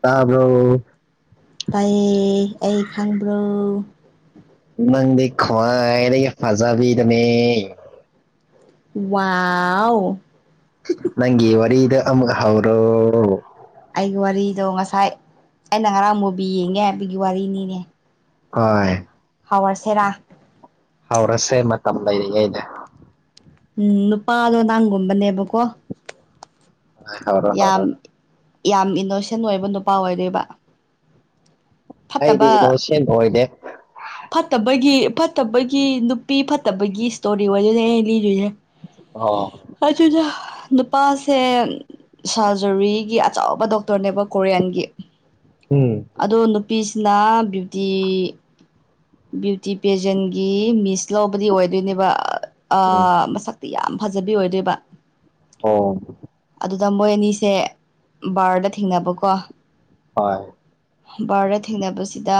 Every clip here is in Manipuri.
ꯇꯥꯕꯔꫭ ꯇꯥꯏꯌꯦ ꯑꯩ ꯈꯪꯕ꯭ꯔꯣ ꯅꯪꯗꯤ ꯈꯋꯥꯥꯏꯗꯒꯤ ꯐꯥꯖꯥꯕꯤꯗꯨꯅꯦ ꯋꯥꯎ ꯅꯪ ꯏ ꯋꯥꯔꯤ ꯑꯃꯨꯛ ꯍꯧꯔꯣ ꯑꯩꯒꯤ ꯋꯥꯔꯤꯗꯣ ꯉꯁꯥꯏ ꯑꯩꯅ ꯉꯔꯥꯡ ꯃꯨꯕꯤ ꯌꯦꯡꯉꯦꯕꯒꯤ ꯋꯥꯔꯤꯅꯤꯅꯦ ꯍꫭꯏ ꯍꯧꯔꯥꯁꯤꯔꯥ ꯍꯧꯔꯁꯤ ꯃꯇꯝ ꯂꯩꯔꯤꯉꯩꯗꯥ ꯎꯝ ꯅꯨꯄꯥꯗꯣ ꯅꯥꯡꯒꯨꯝꯕꯅꯦꯕꯀꯣ ꯍꯧꯔꯣ ꯌꯥꯝ ꯍꯧꯔꯣ ꯌꯥꯝ ꯏꯅꯣꯁꯦꯟ ꯑꯣꯏꯕ ꯅꯨꯄꯥ ꯑꯣꯏꯗꯣꯏꯕ ꯑꯩꯗꯤ ꯐꯠꯇꯕ ꯏꯂꫭꯁꯦꯟ ꯑꯣꯏꯗꯦ ꯐꯠꯇꯕꯒꯤ ꯐꯠꯇꯕꯒꯤ ꯅꯨꯄꯤ ꯐꯠꯇꯕꯒꯤ ꯏꯁꯇꯣꯔꯤ ꯑꯣꯏꯗꯣꯏꯅꯦ ꯑꯩ ꯂꯤꯗꯣꯏꯁꯦ ꯑꫭ ꯑꯗꯨꯗ ꯅꯨꯄꯥꯥꯁꯦ ꯁꯔꯖꯔꯤꯒꯤ ꯑꯆꯧꯕ ꯗꯣꯛꯇꯔꯅꯦꯕ ꯀꯣꯔꯤꯌꯥꯟꯒꯤ ꯎꯝ ꯑꯗꯣ ꯅꯨꯄꯤꯁꯤꯅ ꯕ꯭ꯌꯨꯇꯤ ꯕ꯭ꯌꯨꯇꯤ ꯄꯦꯖꯦꯟꯒꯤ ꯃꯤꯁ ꯂꯧꯕꯗꯤ ꯑꯣꯏꯗꯣꯏꯅꯦꯕ ꯎꯝ ꯃꯁꯛ ꯌꯥꯝ ꯐꯖꯕꯤ ꯑꯣꯏꯗꯣꯏꯕ ꯑꯣ ꯑꯗꯨꯗ ꯃꯣꯏ ꯑꯅꯤꯁꯦ ꯕꯥꯔꯗ ꯊꯦꯡꯅꯕꯀꯣ ꯍꯣꯏ ꯚꯥꯔꯗ ꯊꯦꯡꯅꯕꯁꯤꯗ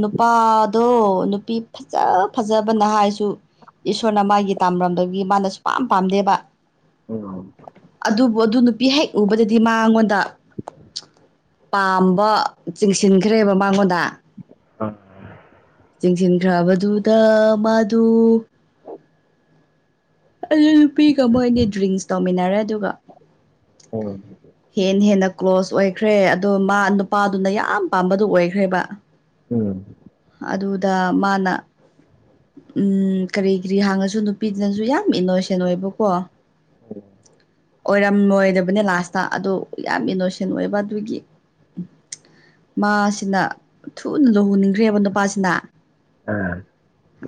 ꯅꯨꯄꯥꯗꯣ ꯅꯨꯄꯤ ꯐꯖ ꯐꯖꯕ ꯅꯍ ꯍꯥꯏꯁꯨ ꯏꯁꯣꯔꯅ ꯃꯥꯒꯤ ꯇꯥꯝꯔꯝꯒꯤ ꯃꯥꯅꯁꯨ ꯄꯥꯝ ꯄꯥꯝꯗꯦꯕ ꯎꯝ ꯑꯗꯨꯕꯨ ꯑꯗꯨ ꯅꯨꯄꯤ ꯍꯦꯛ ꯎꯕꯗꯗꯤ ꯃꯥꯉꯣꯟꯗ ꯄꯥꯝꯕ ꯆꯤꯡꯁꯤꯟꯈ꯭ꯔꯦꯕ ꯃꯉꯣꯟꯗ ꯑ ꯌꯦꯡꯁꯤꯟꯈ꯭ꯔꯕꯗꯨꯗ ꯃꯥꯗꯨ ꯑꯗꯨ ꯅꯨꯄꯤꯒ ꯃꯣꯏꯗꯤ ꯗ꯭ꯡꯁ ꯇꯧꯃꯤꯟꯅꯔꯦ ꯑꯗꯨꯒ ꯎ ꯍꯦ ꯍꯦꯟꯅ ꯀ꯭ꯂꯣꯁ ꯑꯣꯏꯈ꯭ꯔꯦ ꯑꯗꯣ ꯃꯥ ꯅꯨꯄꯥꯗꯨꯅ ꯌꯥꯝ ꯄꯥꯝꯕꯗꯨ ꯑꯣꯏꯈ꯭ꯔꯦꯕ ꯎꯝ ꯑꯗꯨꯗ ꯃꯥꯅ ꯎꯝ ꯀꯔꯤ ꯀꯔꯤ ꯍꯥꯡꯉꯁꯨ ꯅꯨꯄꯤꯗꯨꯅꯁꯨ ꯌꯥꯝ ꯏꯅꯣꯁꯦꯟ ꯑꯣꯏꯕꯀꯣ ꯑꯣꯏꯔꯝꯂꯣꯏꯗꯕꯅꯦ ꯂꯥꯁꯇ ꯑꯗꯨ ꯌꯥꯝ ꯏꯅꯣꯁꯦꯟ ꯑꯣꯏꯕ ꯑꯗꯨꯒꯤ ꯃꯥꯁꯤꯅ ꯊꯨꯅ ꯂꯨꯍꯣꯡꯅꯤꯡꯈ꯭ꯔꯦꯕ ꯅꯨꯄꯥꯁꯤꯅ ꯎꯝ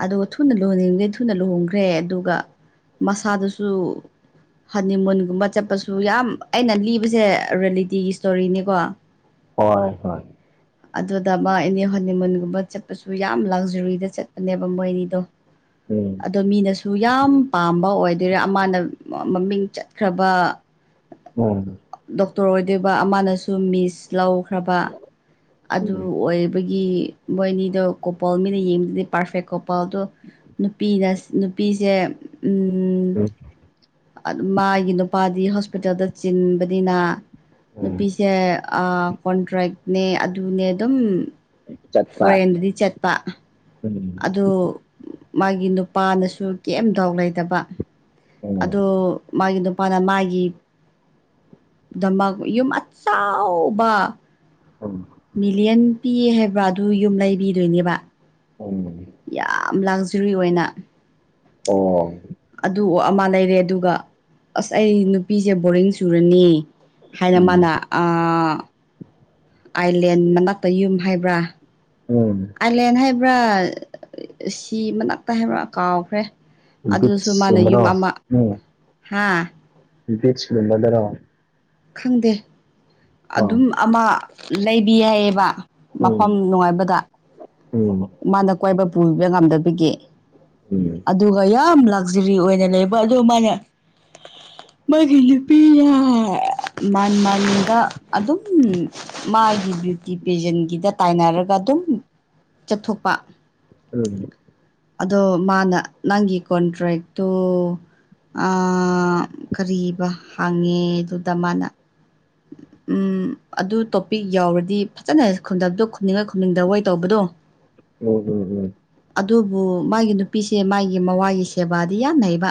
ꯑꯗꯨꯒ ꯊꯨꯅ ꯂꯨꯍꯅꯤꯡꯈꯩ ꯊꯨꯅ ꯂꯨꯍꯣꯡꯈ꯭ꯔꯦ ꯑꯗꯨꯒ ꯃꯁꯥꯗꯨꯁꯨ ꯍꯅꯤ ꯃꯨꯟꯒꯨꯝꯕ ꯆꯠꯄꯁꯨ ꯌꯥꯝ ꯑꯩꯅ ꯂꯤꯕꯁꯦ ꯔꯤꯌꯦꯂꯤꯇꯤꯒꯤ ꯏꯁꯇꯣꯔꯤꯅꯤꯀꯣ ꯍꯣꯏ ꯍꯣꯏ ꯑꯗꯨꯗ ꯃꯥ ꯑꯦꯅꯤ ꯍꯣꯅꯤꯃꯨꯟꯒꯨꯝꯕ ꯆꯠꯄꯁꯨ ꯌꯥꯝ ꯂꯛꯖꯔꯤꯗ ꯆꯠꯄꯅꯦꯕ ꯃꯣꯏ ꯑꯅꯤꯗꯣ ꯎꯝ ꯑꯗꯣ ꯃꯤꯅꯁꯨ ꯌꯥꯝ ꯄꯥꯝꯕ ꯑꯣꯏꯗꯣꯏꯔꯦ ꯑꯃꯅ ꯃꯃꯤꯡ ꯆꯠꯈ꯭ꯔꯕ ꯎꯝ ꯗꯣꯛꯇꯔ ꯑꯣꯏꯗꯣꯏꯕ ꯑꯃꯅꯁꯨ ꯃꯤꯁ ꯂꯧꯈ꯭ꯔꯕ ꯑꯗꯨ ꯎꯝ ꯑꯣꯏꯕꯒꯤ ꯃꯣꯏꯅꯤꯗꯣ ꯀꯣꯄꯣꯜ ꯃꯤꯅ ꯌꯦꯡꯗꯗꯤ ꯄꯥꯔꯐꯦꯛ ꯀꯣꯄꯜꯗꯣ ꯅꯨꯄꯤꯗ ꯅꯨꯄꯤꯁꯦ ꯎꯝ ꯑꯗꯨ ꯃꯥꯒꯤ ꯅꯨꯄꯥꯗꯤ ꯍꯣꯁꯄꯤꯇꯥꯜꯗ ꯆꯤꯟꯕꯅꯤꯅ ꯎꯝ ꯅꯨꯄꯤꯁꯦ ꯀꯣꯟꯇ꯭ꯔꯦꯛꯅꯦ ꯑꯗꯨꯅꯦ ꯑꯗꯨꯝ ꯆꯠꯄ ꯐꯣꯔꯦꯟꯗꯗꯤ ꯆꯠꯄ ꯎꯝ ꯑꯗꯨ ꯃꯥꯒꯤ ꯅꯨꯄꯥꯅꯁꯨ ꯀꯦꯝꯗꯥꯎ ꯂꯩꯗꯕ ꯑꯗꯣ ꯎꯝ ꯃꯥꯒꯤ ꯅꯨꯄꯥꯅ ꯃꯥꯒꯤ ꯗꯃꯛ ꯌꯨꯝ ꯑꯆꯥꯎꯕ ꯎꯝ ꯃꯤꯂꯤꯌꯟ ꯄꯤꯌꯦ ꯍꯥꯏꯕ꯭ꯔꯥ ꯑꯗꯨ ꯌꯨꯝ ꯂꯩꯕꯤꯗꯣꯏꯅꯦꯕ ꯎ ꯌꯥꯝ ꯂꯥꯛꯖꯔꯤ ꯑꯣꯏꯅ ꯑꯣ ꯑꯗꯨ ꯑꯃ ꯂꯩꯔꯦ ꯑꯗꯨꯒ ꯑꯁ ꯑꯩ ꯅꯨꯄꯤꯁꯦ ꯕꯣꯔꯤꯡ ꯁꯨꯔꯅꯤ ꯍꯥꯏꯅ ꯎꯝ ꯃꯥꯅ ꯑ ꯑꯥꯏꯂꯦꯟ ꯃꯅꯥꯛꯇ ꯌꯨꯝ ꯍꯥꯏꯕ꯭ꯔꯥ ꯎꯝ ꯑꯥꯏꯂꯦꯟ ꯍꯥꯏꯕ꯭ꯔꯥ ꯁꯤ ꯃꯅꯥꯛꯇ ꯍꯥꯏꯕ꯭ꯔꯥ ꯀꯥꯎꯈ꯭ꯔꯦ ꯑꯗꯨꯁꯨ ꯃꯥꯅ ꯌꯨꯝ ꯕꯤꯠꯁꯀꯨꯝꯕꯗꯣ ꯑꯃ ꯍꯥ ꯕꯤꯁ ꯀꯨꯝꯕꯗꯔꯣ ꯈꯪꯗꯦ ꯑꯥ ꯑꯗꯨꯝ ꯑꯃ ꯂꯩꯕꯤ ꯌꯥꯏꯌꯦꯕ꯫ ꯎꯝ ꯃꯐꯝ ꯅꯨꯡꯉꯥꯏꯕꯗ ꯎꯝ ꯎꯝ ꯃꯥꯅ ꯀꯣꯏꯕ ꯄꯨꯕ ꯉꯝꯗꯕꯒꯤ ꯎꯝ ꯑꯗꯨꯒ ꯌꯥꯝ ꯂ ꯂꯛꯖꯔꯤ ꯑꯣꯏꯅ ꯂꯩꯕ ꯑꯗꯣ ꯃꯥꯅ ꯃꯥꯒꯤ ꯅꯨꯄꯤ ꯃꯥꯟ ꯃꯟꯗ ꯑꯗꯨꯝ ꯃꯥꯒꯤ ꯕ꯭ꯌꯨꯇꯤ ꯄꯦꯖꯦꯟꯒꯤꯗ ꯇꯥꯏꯅꯔꯒ ꯑꯗꯨꯝ ꯆꯠꯊꯣꯛꯄ ꯎꯝ ꯑꯗꯣ ꯃꯥꯅ ꯅꯪꯒꯤ ꯀꯣꯟꯇ꯭ꯔꯦꯛꯇꯣ ꯑ ꯀꯔꯤꯕ ꯍꯥꯡꯉꯦ ꯑꯗꯨꯗ ꯃꯥꯅ ꯎꯝ ꯑꯗꯨ ꯇꯣꯄꯤꯛ ꯌꯥꯎꯔꯗꯤ ꯐꯖꯅ ꯈꯗꯗꯣ ꯈꯨꯝꯅꯤꯡꯉꯥꯏ ꯈꯨꯝꯅꯤꯡꯗ ꯇꯧꯕꯗꯣ [inaudible] ꯎꯝ ꯎꯝ ꯎꯝ ꯑꯗꯨꯕꯨ ꯃꯥꯒꯤ ꯅꯨꯄꯤꯁꯦ ꯃꯥꯒꯤ ꯃꯋꯥꯒꯤ ꯁꯦꯕꯥꯗꯤ ꯌꯥꯝ ꯍꯩꯕ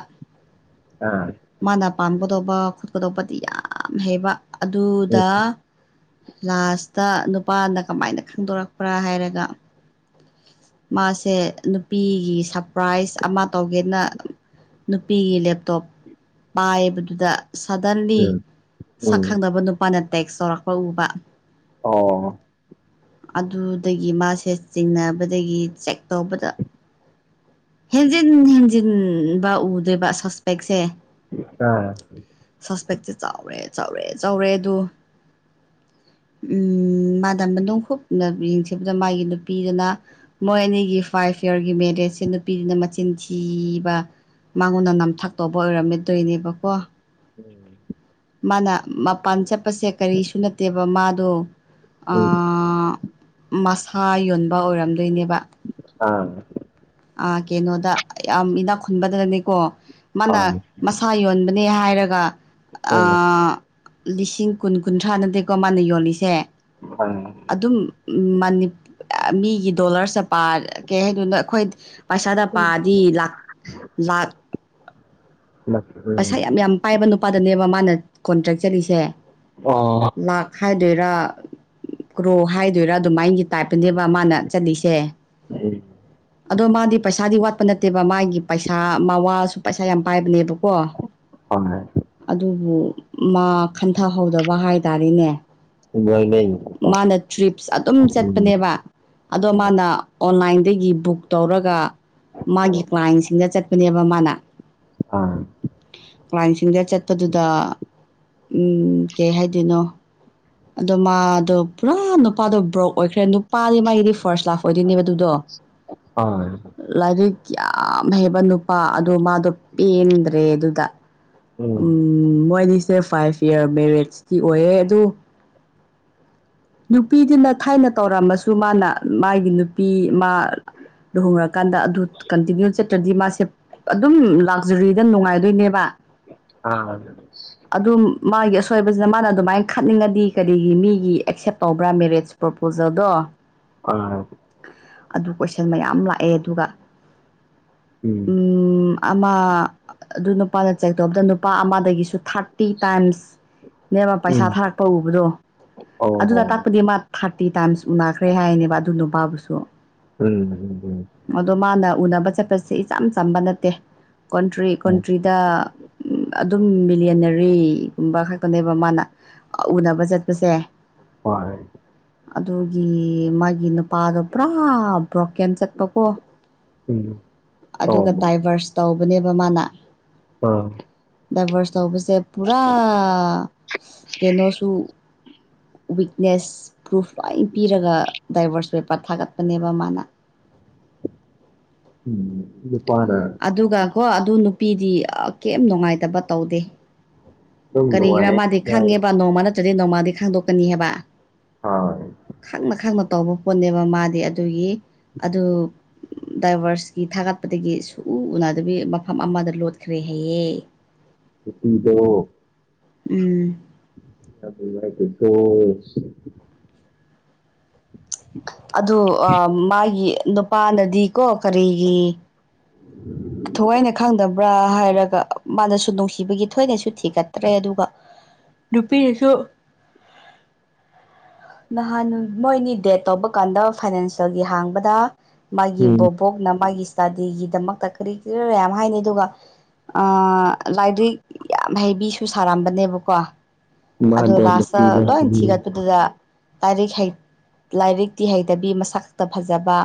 ꯑꯥ ꯃꯥꯅ ꯄꯥꯝꯒꯗꯧꯕ ꯈꯣꯠꯀꯗꯧꯕꯗꯤ ꯌꯥꯝ ꯍꯩꯕ ꯎꯝ ꯑꯗꯨꯗ ꯂꯥꯁꯇ ꯅꯨꯄꯥꯅ ꯀꯃꯥꯏꯅ ꯈꯪꯗꯣꯔꯛꯄ꯭ꯔꯥ ꯍꯥꯏꯔꯒ ꯃꯥꯁꯦ ꯅꯨꯄꯤꯒꯤ ꯁꯔꯄ꯭ꯔꯥꯏꯖ ꯑꯃ ꯇꯧꯒꯦꯅ ꯅꯨꯄꯤꯒꯤ ꯂꯦꯞꯇꯣꯞ ꯄꯥꯏꯕꯗꯨꯗ ꯁꯥꯗꯟꯂꯤ ꯎꯝ ꯁꯛ ꯎꯝ ꯈꯪꯗꯕ ꯅꯨꯄꯥꯅ ꯇꯦꯛꯁ ꯇꯧꯔꯛꯄ ꯎꯕ ꯑꯣ ꯑꯗꯨꯗꯒꯤ ꯃꯥꯁꯦ ꯆꯤꯡꯅꯕꯗꯒꯤ ꯆꯦꯛ ꯇꯧꯕꯗ ꯍꯦꯟꯖꯤꯟ ꯍꯦꯟꯖꯤꯟꯕ ꯎꯗꯣꯏꯕ ꯁꯣꯁꯄꯦꯛꯁꯦ ꯑꯥ ꯁꯄꯦꯛꯁꯁꯤ ꯆꯥꯎꯔꯦ ꯆꯥꯎꯔꯦ ꯆꯥꯎꯔꯦ ꯑꯗꯨ ꯎꯝ ꯃꯥꯗ ꯃꯅꯨꯡ ꯍꯨꯞꯅ ꯌꯦꯡꯁꯤꯟꯕꯗ ꯃꯥꯒꯤ ꯅꯨꯄꯤ ꯅꯨꯄꯤꯗꯨꯅ ꯃꯣꯏ ꯑꯅꯤꯒꯤ ꯐꯥꯏꯚ ꯌꯥꯔꯒꯤ ꯃꯦꯔꯦꯖꯁꯦ ꯅꯨꯄꯤꯗꯨꯅ ꯃꯆꯤꯟ ꯊꯤꯕ ꯃꯉꯣꯟꯗ ꯅꯝꯊꯥꯛ ꯇꯧꯕ ꯑꯣꯏꯔꯝꯃꯤꯗꯣꯏꯅꯦꯕꯀꯣ ꯎꯝ ꯃꯥꯅ ꯃꯄꯥꯟ ꯆꯠꯄꯁꯦ ꯀꯔꯤꯁꯨ ꯅꯠꯇꯦꯕ ꯃꯥꯗꯣ ꯎꯝ ꯑꯥ ꯃꯁꯥ ꯌꯣꯟꯕ ꯑꯣꯏꯔꯝꯗꯣꯏꯅꯦꯕ ꯑ ꯑ ꯀꯩꯅꯣꯗ ꯌꯥꯝ ꯏꯅꯥꯛ ꯈꯨꯟꯕꯗꯅꯅꯦꯀꯣ ꯃꯥꯅ ꯃꯁꯥ ꯁꯥꯥ ꯌꯣꯟꯕꯅꯦ ꯍꯥꯏꯔꯒ ꯍꯣꯏ ꯎꯝ ꯑꯥ ꯂꯤꯁꯤꯡ ꯀꯨꯟ ꯀꯨꯟꯊ꯭ꯔꯥ ꯅꯠꯇꯦꯀꯣ ꯃꯥꯅ ꯌꯣꯜꯂꯤꯁꯦ ꯐ ꯑꯗꯨꯝ ꯃꯤꯒꯤ ꯗꯣꯂꯔꯁꯦ ꯄꯥ ꯀꯩ ꯍꯥꯏꯗꯣꯏꯅꯣ ꯑꯩꯈꯣꯏ ꯄꯩꯁꯥꯗ ꯄꯥꯗꯤ ꯂꯥꯛ ꯃꯠ ꯎꯝ ꯄꯩꯁꯥ ꯌꯥꯝ ꯌꯥꯝ ꯄꯥꯏꯕ ꯅꯨꯄꯥꯗꯅꯦꯕ ꯃꯥꯅ ꯀꯣꯟꯇ꯭ꯔꯦꯛ ꯆꯠꯂꯤꯁꯦ ꯑꯣ ꯂꯥꯛ ꯍꯥꯏꯗꯣꯏꯔꯥ ꯀ꯭ꯔꯣ ꯍꯥꯏꯗꯣꯏꯔꯥ ꯑꯗꯨꯃꯥꯏꯅꯒꯤ ꯇꯥꯏꯞꯇꯅꯦꯕ ꯃꯥꯅ ꯆꯠꯂꯤꯁꯦ ꯎꯝ ꯑꯗꯣ ꯃꯥꯗꯤ ꯄꯩꯁꯥꯗꯤ ꯋꯥꯠꯄ ꯅꯠꯇꯦꯕ ꯃꯥꯒꯤ ꯄꯩꯁꯥ ꯃꯥꯋꯥꯁꯨ ꯄꯩꯁꯥ ꯌꯥꯝ ꯄꯥꯏꯕꯅꯦꯕꯀꯣ ꯀꯣ [unintelligible] ꯑꯗꯨꯕꯨ ꯃꯥ ꯈꯟꯊꯍꯧꯗꯕ ꯍꯥꯏ ꯇꯔꯦꯅꯦ ꯍꯣꯏ ꯂꯣꯏꯅꯩꯕꯀꯣ ꯃꯥꯅ ꯇ꯭ꯔꯤꯞꯁ ꯑꯗꯨꯝ ꯎꯝ ꯆꯠꯄꯅꯦꯕ ꯑꯗꯣ ꯃꯥꯅ ꯑꯣꯟꯂꯥꯏꯟꯗꯒꯤ ꯕꯨꯛ ꯇꯧꯔꯒ ꯃꯥꯒꯤ ꯎꯝ ꯀ꯭ꯂꯥꯏꯟꯁꯤꯡꯗ ꯆꯠꯄꯅꯦꯕ ꯃꯥꯅ ꯑ ꯀ꯭ꯂꯥꯏꯟꯁꯤꯡꯗ ꯆꯠꯄꯗꯨꯗ ꯀꯩ ꯍꯥꯏꯗꯣꯏꯅꯣ ꯑꯗꯣ ꯃꯥꯗꯣ ꯄꯨꯔꯥ ꯅꯨꯄꯥꯗꯣ ꯕ꯭ꯔꯣꯛ ꯑꯣꯏꯈ꯭ꯔꯦ ꯄꯥꯜꯂꯤ ꯃꯥꯒꯤꯗꯤ ꯐꯥꯔ꯭ꯁ ꯂꯥꯞ ꯑꯣꯏꯗꯣꯏꯅꯦꯕ ꯑꯗꯨꯗꯣ ꯑꯥ ꯂꯥꯏꯔꯤꯛ ꯀꯌꯥꯝ ꯍꯩꯕ ꯄ ꯑꯗꯣ ꯃꯥꯗꯣ ꯄꯦꯟꯗ꯭ꯔꯦ ꯑꯗꯨꯗ ꯎ ꯎꯝ ꯃꯣꯏꯗꯤꯁꯦ ꯐꯥꯏꯚ ꯏꯌꯥꯔ ꯃꯦꯔꯤꯁꯇꯤ ꯑꯣꯏꯌꯦ ꯑꯗꯨ ꯅꯨꯄꯤꯗꯨꯅ ꯊꯥꯏꯅ ꯇꯧꯔꯝꯃꯁꯨ ꯃꯥꯅ ꯃꯥꯒꯤ ꯅꯨꯄꯤ ꯃꯥ ꯂꯨꯍꯣꯡꯉꯔꯀꯥꯟꯗ ꯑꯗꯨ ꯀꯟꯇꯤꯅ꯭ꯌꯨ ꯆꯠꯇ꯭ꯔꯗꯤ ꯃꯥꯁꯦ ꯑꯗꯨꯝ ꯂꯥꯛꯖꯔꯤꯗ ꯅꯨꯡꯉꯥꯏꯗꯣꯏꯅꯦꯕ ꯑꯥ ꯑꯗꯨꯝ ꯃꯥꯒꯤ ꯑꯁꯣꯏꯕꯁꯤꯅ ꯃꯥꯅ ꯑꯗꯨꯃꯥꯏꯅ ꯈꯠꯅꯤꯡꯉꯗꯤ ꯀꯔꯤꯒꯤ ꯃꯤꯒꯤ ꯑꯦꯛꯁꯦꯞ ꯇꯧꯕ꯭ꯔꯥ ꯃꯦꯔꯦꯖ ꯄ꯭ꯔꯣꯄꯣꯖꯦꯜꯗꯣ ꯑ ꯑꯗꯨ ꯀꯣꯏꯁꯟ ꯃꯌꯥꯝ ꯂꯥꯛꯑꯦ ꯑꯗꯨꯒ ꯎꯝ ꯎ ꯑꯃ ꯑꯗꯨ ꯅꯨꯄꯥꯅ ꯆꯦꯛꯊꯣꯛꯕꯗ ꯅꯨꯄꯥ ꯑꯃꯗꯒꯤꯁꯨ ꯊꯥꯔꯇꯤ ꯇꯥꯏꯝꯁ ꯅꯦꯝꯃ ꯄꯩꯁꯥ ꯎꯝ ꯐꯥꯔꯛꯄ ꯎꯕꯗꯣ ꯑꯣ ꯑꯗꯨꯗ ꯎꯝ ꯇꯥꯛꯄ ꯃꯥ ꯊꯥꯔꯇꯤ ꯇꯥꯏꯝꯁ ꯎꯅꯈ꯭ꯔꯦ ꯍꯥꯏꯅꯦꯕ ꯑꯗꯨ ꯅꯨꯄꯥꯕꯨꯁꯨ ꯎꯝ ꯑꯗꯣ ꯃꯥꯅ ꯎꯅꯕ ꯆꯠꯄꯁꯦ ꯏꯆꯝ ꯆꯝꯕ ꯅꯠꯇꯦ ꯀꯣꯟꯇ꯭ꯔꯤ ꯎꯝ ꯀꯣꯟꯇ꯭ꯔꯤꯗ ꯑꯗꯨꯝ ꯕꯤꯂꯤꯂꯤꯌꯥꯅꯔꯤꯒꯨꯝꯕ ꯈꯛꯇꯅꯦꯕ ꯃꯥꯅ ꯎꯅꯕ ꯆꯠꯄꯁꯦ ꯍꯣꯏ ꯑꯗꯨꯒꯤ ꯃꯥꯒꯤ ꯅꯨꯄꯥꯗꯣ ꯄꯨꯔꯥ ꯕ꯭ꯔꯣꯀꯦꯟ ꯆꯠꯄꯀꯣ ꯎꯝ ꯑꯗꯨꯒ ꯑꯣ ꯗꯥꯏꯚꯔꯁ ꯇꯧꯕꯅꯦꯕ ꯃꯥꯅ ꯑ ꯗꯥꯏꯚꯔꯁ ꯇꯧꯕꯁꯦ ꯄꯨꯔꯥ ꯀꯩꯅꯣꯁꯨ ꯋꯤꯛꯅꯦꯁ ꯄ꯭ꯔꯨꯐ ꯂꯣꯏ ꯄꯤꯔꯒ ꯗꯥꯏꯕꯔꯁ ꯄꯦꯄꯔ ꯊꯥꯒꯠꯄꯅꯦꯕ ꯃꯥꯅ ꯎꯝ ꯏ ꯄꯥꯔ ꯑꯗꯨꯒ ꯀꯣ ꯑꯗꯨ ꯅꯨꯄꯤꯗꯤ ꯀꯩꯝ ꯅꯨꯡꯉꯥꯏꯇꯕ ꯇꯧꯗꯦ ꯑꯗꯨꯝ ꯀꯔꯤꯒꯤꯔꯥ ꯃꯥꯗꯤ ꯅꯨꯡꯉꯥꯏ ꯈꯥꯡꯉꯦꯕ ꯅꯣꯡꯃ ꯅꯠꯇ꯭ꯔꯗꯤ ꯅꯣꯡꯃꯗꯤ ꯈꯥꯡꯗꯣꯛꯀꯅꯤ ꯍꯥꯏꯕ ꯍ ꯈꯪꯅ ꯈꯪꯅ ꯇꯧꯕ ꯄꯣꯠꯅꯦꯕ ꯃꯥꯗꯤ ꯑꯗꯨꯒꯤ ꯑꯗꯨ ꯗꯥꯏꯚꯔꯁꯀꯤ ꯊꯥꯒꯠꯄꯗꯒꯤ ꯁꯨꯎ ꯎꯅꯗꯕꯤ ꯃꯐꯝ ꯑꯃꯗ ꯂꯣꯠꯈ꯭ꯔꯦ ꯍꯌꯦ [unintelligible] ꯎꯝ [unintelligible] ꯑꯗꯨ ꯃꯥꯒꯤ ꯅꯨꯄꯥꯅꯗꯤꯀꯣ ꯀꯔꯤꯒꯤ ꯊꯋꯥꯏꯅ ꯈꯪꯗꯕ꯭ꯔꯥ ꯍꯥꯏꯔꯒ ꯃꯥꯅꯁꯨ ꯅꯨꯡꯁꯤꯕꯒꯤ ꯊꯣꯏꯅꯁꯨ ꯊꯤꯒꯠꯇ꯭ꯔꯦ ꯑꯗꯨꯒ ꯅꯨꯄꯤꯗꯁꯨ ꯅꯍꯥꯟ ꯃꯣꯏꯅꯤ ꯗꯦꯠ ꯇꯧꯕ ꯀꯥꯟꯗ ꯐꯥꯏꯅꯥꯟꯁꯤꯌꯒꯤ ꯍꯥꯡꯕꯗ ꯃꯥꯒꯤ ꯎꯝ ꯕꯣꯕꯣꯛꯅ ꯃꯥꯒꯤ ꯏꯁꯇꯥꯗꯤꯒꯤꯗꯃꯛꯇ ꯀꯔꯤ ꯀꯔꯤꯌꯥꯝ ꯍꯥꯏꯅꯩ ꯑꯗꯨꯒ ꯑ ꯂꯥꯏꯔꯤꯛ ꯌꯥꯝ ꯍꯩꯕꯤꯁꯨ ꯁꯥꯔꯝꯕꯅꯦꯕꯀꯣ ꯑꯗꯣ ꯃꯥꯗꯣ ꯂꯥꯁꯇ ꯅꯨꯄꯤꯗꯣ ꯂꯣꯏ ꯎꯝ ꯊꯤꯒꯠꯄꯗꯨꯗ ꯂꯥꯏꯔꯤꯛ ꯂꯥꯏꯔꯤꯛꯇꯤ ꯍꯩꯇꯕꯤ ꯃꯁꯛ ꯈꯛꯇ ꯐꯖꯕ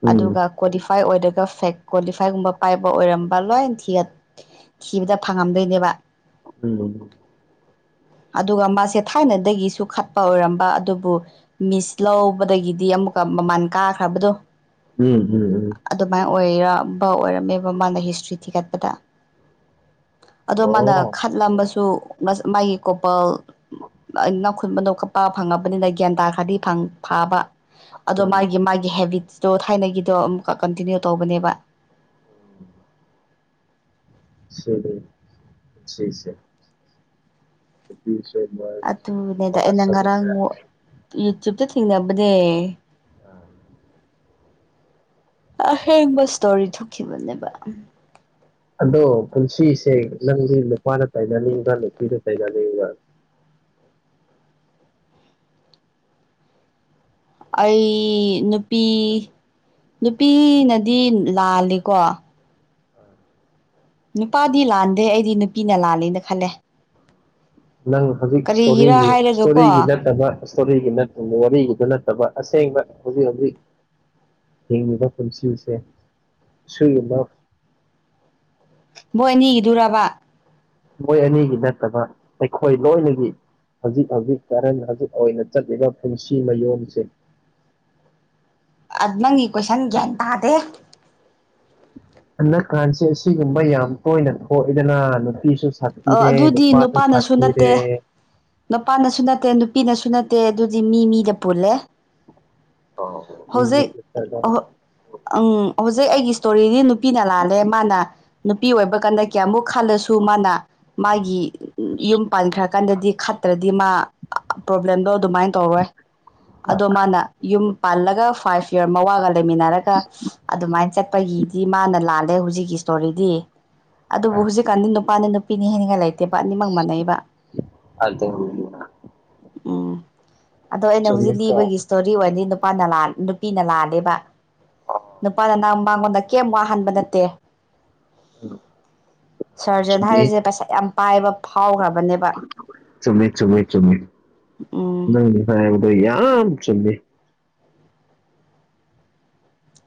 ꯎꯝ ꯑꯗꯨꯒ ꯀ꯭ꯋꯥꯂꯤꯐꯥꯏ ꯑꯣꯏꯔꯒ ꯐꯦꯛ ꯀ꯭ꯋꯥꯂꯤꯐꯥꯏ ꯀꯥꯏꯒꯨꯝꯕ ꯄꯥꯏꯕ ꯑꯣꯏꯔꯝꯕ ꯂꯣꯏ ꯊꯤꯕꯗ ꯐꯪꯉꯝꯗꯣꯏꯅꯦꯕ ꯎꯝ ꯑꯗꯨꯒ ꯃꯥꯁꯦ ꯊꯥꯏꯅꯗꯒꯤꯁꯨ ꯈꯠꯄ ꯑꯣꯏꯔꯝꯕ ꯑꯗꯨꯕꯨ ꯃꯤꯁ ꯂꯧꯕꯗꯒꯤꯗꯤ ꯑꯃꯨꯛꯀ ꯃꯃꯜ ꯀꯥꯈ꯭ꯔꯕꯗꯣ ꯎꯝ ꯎꯝ ꯎꯝ ꯑꯗꯨꯃꯥꯏꯅ ꯑꯣꯏꯔꯝꯕ ꯑꯣꯏꯔꯝꯃꯦꯕ ꯃꯥꯅ ꯍꯤꯁꯇ꯭ꯔꯤ ꯊꯤꯒꯠꯄꯗ ꯑꯗꯣ ꯃꯥꯅ ꯑꯣ ꯈꯠꯂꯝꯕꯁꯨ ꯃꯥꯒꯤ ꯀꯣꯄꯜ [unintelligible] ꯐꯪꯉꯕꯅꯤꯅ ꯒꯌ꯭ꯥꯟ ꯇꯥꯈꯔ꯭ꯗꯤ ꯐꯪ ꯐꯕ꯫ ꯑꯗꯣ ꯎꯝ ꯃꯥꯒꯤ- ꯃꯥꯒꯤ ꯍꯦꯕꯤꯠꯁꯇꯣ ꯊꯥꯏꯅꯒꯤꯗꯣ ꯑꯃꯨꯛꯀ ꯀꯟꯇꯤꯅ꯭ꯌꯨ ꯇꯧꯕꯅꯦꯕ꯫ [unintelligible] [unintelligible] [unintelligible] ꯑꯗꯨꯅꯦꯗ ꯑꯩꯅ ꯅꯨꯄꯥꯁꯨ ꯉꯔꯥꯡ ꯅꯨꯡꯉꯥꯏ ꯌꯨꯇ꯭ꯌꯨꯕꯇ ꯊꯦꯡꯅꯕꯅꯦ꯫ [unintelligible] ꯑꯍꯦꯡꯕ ꯏꯁꯇꯣꯔꯤ ꯊꯣꯛꯈꯤꯕꯅꯦꯕ꯫ ꯑꯗꯣ ꯄꯨꯟꯁꯤꯁꯦ ꯅꯪꯗꯤ ꯅꯨꯄꯥꯅ ꯇꯩꯅꯅꯤꯡꯕ꯭ꯔꯥ ꯅꯨꯄꯤꯗ ꯇꯩꯅꯅꯤꯡꯕ꯭ꯔꯥ ꯑꯩ ꯅꯨꯄꯤ ꯅꯨꯄꯤꯅꯗꯤ ꯂꯥꯜꯂꯤꯀꯣ [unintelligible] ꯅꯨꯄꯥꯗꯤ ꯂꯥꯟꯗꯦ ꯑꯩꯗꯤ ꯅꯨꯄꯤꯅ ꯂꯥꯜꯂꯦꯅ ꯈꯜꯂꯦ ꯅꯪ ꯍꯧꯖꯤꯛ ꯀꯔꯤꯒꯤꯔꯥ ꯏꯁꯇꯣꯔꯤꯒꯤ ꯍꯥꯏꯔꯒꯀꯣ ꯏꯁꯇꯣꯔꯤꯒꯤ ꯅꯠꯇꯕ ꯏꯁꯇꯣꯔꯤꯒꯤꯠꯇ ꯋꯥꯔꯤꯒꯤꯗ ꯅꯠꯇꯕ ꯑꯁꯦꯡꯕ ꯍꯧꯖꯤꯛ ꯍꯧꯖꯤꯛ ꯍꯤꯡꯉꯤꯕ ꯄꯨꯟꯁꯤꯁꯦ ꯁꯨꯗ ꯃꯣꯏ ꯑꯅꯤꯒꯤꯗꯨꯔꯕ ꯃꯣꯏ ꯑꯅꯤꯒꯤ ꯅꯠꯇꯕ ꯑꯩꯈꯣꯏ ꯂꯣꯏꯅꯒꯤ꯫ ꯍꯧꯖꯤꯛ -ꯍꯧꯖꯤꯛ ꯀꯔꯦꯟ ꯍꯧꯖꯤꯛ ꯑꯣꯏꯅ ꯆꯠꯂꯤꯕ ꯄꯨꯟꯁꯤ ꯃꯌꯣꯝꯁꯦ꯫ ꯑꯥꯥ ꯅꯪꯒꯤ ꯀꯣꯏꯁꯟ ꯒ꯭ꯌꯥꯟ ꯇꯥꯗꯦ! ꯍꯟꯗꯛꯀꯥꯟꯁꯦ ꯑꯁꯤꯒꯨꯝꯕ ꯌꯥꯝ ꯇꯣꯏꯅ ꯊꯣꯛꯏꯗꯅ ꯅꯨꯄꯤꯁꯨ ꯁꯊꯤꯔꯦ ꯑꯗꯨꯗꯤ ꯅꯨꯄꯥꯥꯁꯨ ꯅꯨꯄꯥꯅꯁꯨ ꯅꯠꯇꯦ ꯁꯊꯤꯔꯦ꯫ ꯅꯨꯄꯥꯅꯁꯨ ꯅꯠꯇꯦ ꯅꯨꯄꯤꯅꯁꯨ ꯅꯠꯇꯦ ꯑꯗꯨꯗꯤ ꯃꯤ ꯃꯤꯗ ꯄꯨꯜꯂꯦ꯫ ꯍꯧꯖꯤꯛ ꯑꯥꯍꯣ ꯑꯪ ꯍꯧꯖꯤꯛ ꯑꯩꯒꯤ ꯏꯁꯇꯣꯔꯤꯗꯤ ꯅꯨ ꯅꯨꯄꯤꯅ ꯂꯥꯜꯂꯦ ꯃꯥꯅ ꯅꯨꯄꯤ ꯑꯣꯏꯕ ꯀꯥꯟꯗ ꯀꯌꯥꯃꯨꯛ ꯈꯜꯂꯁꯨ ꯃꯥꯅ ꯃꯥꯒꯤ ꯌꯨꯝ ꯄꯥꯟꯈ꯭ꯔꯀꯥꯟꯗꯗꯤ ꯈꯠꯇ꯭ꯔꯗꯤ ꯃꯥ ꯄ꯭ꯔꯣꯕ꯭ꯂꯦꯝꯗꯣ ꯑꯗꯨꯃꯥꯏꯅ ꯇꯧꯔꯣꯏ꯫ ꯑꯗꯣ ꯃꯥꯅ ꯌꯨꯝ ꯄꯥꯜꯂꯒ ꯐꯥꯏꯚ ꯌꯔ ꯃꯋꯥꯒ ꯂꯩꯃꯤꯟꯅꯔꯒ ꯑꯗꯨꯃꯥꯏꯅ ꯆꯠꯄꯒꯤꯗꯤ ꯃꯥꯅ ꯂꯥꯜꯂꯦ ꯍꯧꯖꯤꯛꯀꯤ ꯇꯣꯔꯤꯗꯤ ꯑꯗꯨꯕꯨ ꯍꯧꯖꯤꯛꯀꯥꯟꯗꯤ ꯅꯨꯄꯥꯅꯤ ꯅꯨꯄꯤꯅꯤ ꯍꯥꯏꯅꯤꯡꯉꯥꯏ ꯂꯩꯇꯦꯕ ꯑꯅꯤꯃꯛ ꯃꯥꯟꯅꯩꯑꯕ꯫ [unintelligible] ꯎꯝ ꯑꯗꯣ ꯑꯩꯅ ꯍꯧꯖꯤꯛ ꯆꯨꯝꯃꯤꯀꯣ ꯂꯤꯕꯒꯤ ꯏꯁꯇꯣꯔꯤ ꯑꯣꯏꯅꯗꯤ ꯅꯨꯄꯥꯅ ꯂꯥꯟ ꯅꯨꯄꯤꯅ ꯂꯥꯜꯂꯦꯕ꯫ ꯅꯨꯄꯥꯅ ꯅꯪ ꯃꯉꯣꯟꯗ ꯀꯩꯝ ꯋꯥꯍꯟꯕ ꯅꯠꯇꯦ꯫ ꯁꯥꯔꯖꯟ ꯆꯨꯝꯃꯤ ꯍꯥꯏꯔꯤꯁꯦ ꯄꯩꯁꯥ ꯌꯥꯝ ꯄꯥꯏꯕ ꯐꯥꯎꯈ꯭ꯔꯕꯅꯦꯕ꯫ ꯆꯨꯝꯃꯦ- ꯆꯨꯝꯃꯦ - ꯆꯨꯝꯃꯦ ꯎꯝ ꯅꯪꯅ ꯉꯁꯥꯏ ꯍꯥꯏꯕꯥꯗꯣ ꯌꯥꯝ ꯆꯨꯝꯃꯦ꯫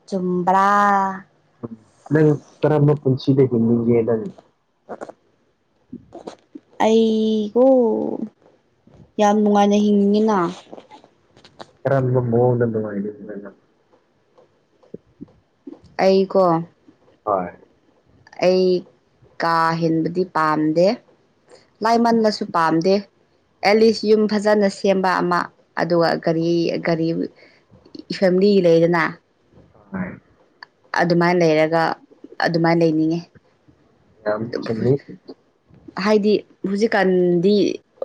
ꯆꯨꯝ꯭ꯕꯔꯥ? ꯅꯪ ꯀꯔꯝꯕ ꯄꯨꯟꯁꯤꯗ ꯍꯤꯡꯅꯤꯡꯒꯦ ꯅꯪ? [unintelligible] ꯑꯩꯒꯣ ꯌꯥꯝ ꯅꯨꯡꯉꯥꯏꯅ ꯍꯤꯡꯅꯤꯡꯉꯤꯅ꯫ ꯀꯔꯝꯕ ꯃꯥꯑꯣꯡꯗ ꯅꯨꯉꯥꯏ [unintelligible] ꯑꯩꯀꯣ ꯍꯣꯏ ꯑꯩ ꯀꯥ ꯍꯦꯟꯕꯗꯤ ꯄꯥꯝꯗꯦ꯫ ꯂꯥꯏꯃꯟꯕꯁꯨ ꯄꯥꯝꯗꯦ꯫ ꯑꯦꯂꯤꯁ ꯌꯨꯝ ꯐꯖꯅ ꯁꯦꯝꯕ ꯑꯃ ꯑꯗꯨꯒ ꯒꯥꯔꯤ ꯒꯥꯔꯤ ꯐꯦꯃꯤꯂꯤ ꯂꯩꯥꯏꯗꯅ [unintelligible] ꯑꯗꯨꯃꯥꯏ ꯂꯩꯔꯒ ꯑꯗꯨꯃꯥꯏꯅ ꯂꯩꯅꯤꯡꯉꯦ ꯌꯥꯝ ꯆꯨꯝꯃꯤ [unintelligible] ꯍꯥꯏꯗꯤ ꯍꯧꯖꯤꯛꯀꯥꯟꯗꯤ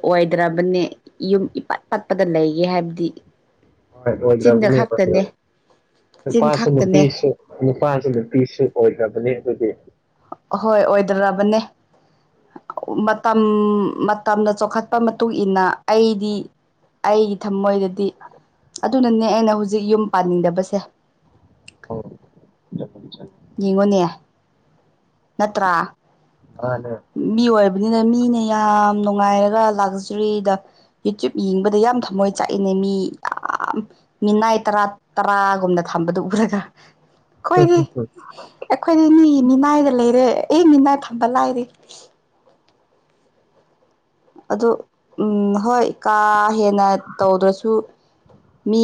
ꯑꯣꯏꯗ꯭ꯔꯕꯅꯦ ꯌꯨꯝ ꯏꯄꯠ ꯄꯠ ꯄꯗ ꯂꯩꯒꯦ ꯍꯥꯏꯕꯗꯤ ꯍꯣꯏ ꯆꯤꯟꯗ ꯑꯣꯏꯗ꯭ꯔꯕꯅꯦꯕ ꯈꯛꯇꯅꯦ ꯆꯤꯟ ꯅꯨꯄꯥꯁꯨ ꯈꯛꯇꯅꯦ ꯅꯨꯄꯤꯁꯨ ꯅꯨꯄꯥꯁꯨ ꯅꯨꯄꯤꯁꯨ ꯑꯣꯏꯈ꯭ꯔꯕꯅꯤ ꯑꯗꯨꯗꯤ ꯑꯍꯣꯏ ꯑꯣꯏꯗ꯭ꯔꯕꯅꯦ ꯃꯇꯝ ꯃꯇꯝꯗ ꯆꯥꯎꯈꯠꯄ ꯃꯇꯨꯡꯏꯟꯅ ꯑꯩꯗꯤ ꯑꯩꯒꯤ ꯊꯃꯣꯏꯗꯗꯤ ꯑꯗꯨꯅꯅꯦ ꯑꯩꯅ ꯍꯧꯖꯤꯛ ꯌꯨꯝ ꯄꯥꯟꯅꯤꯡꯗꯕꯁꯦ [unintelligible] ꯌꯦꯡꯉꯣꯅꯦ ꯅꯠꯇ꯭ꯔꯥ ꯑꯅꯦ ꯃꯤ ꯑꯣꯏꯕꯅꯤꯅ ꯃꯤꯅ ꯌꯥꯝ ꯅꯨꯡꯉꯥꯏꯔꯒ ꯂꯥꯛꯆꯔꯤꯗ ꯌꯨꯇ꯭ꯌꯨꯞ ꯌꯦꯡꯕꯗ ꯌꯥꯝ ꯊꯝꯃꯣꯏ ꯆꯥꯛꯏꯅꯦ ꯃꯤ ꯌꯥꯝ ꯃꯤꯅꯥꯏ ꯇꯔꯥ ꯇꯔꯥꯒꯨꯝꯅ ꯊꯝꯕꯗꯨ ꯎꯔꯒ ꯑꯩꯈꯣꯏꯗꯤ ꯑꯩꯈꯣꯏꯗꯤ ꯃꯤꯒꯤ ꯃꯤꯅꯥꯏ ꯂꯩꯔꯦ ꯑꯩ ꯃꯤꯅꯥꯏ ꯊꯝꯕ ꯂꯥꯏꯔꯤ‌ ꯑꯗꯣ ꯎꯝ ꯍꯣꯏ ꯀꯥ ꯍꯦꯟꯅ ꯇꯧꯗ꯭ꯔꯁꯨ ꯃꯤ